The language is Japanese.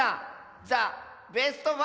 ザ・ベスト５」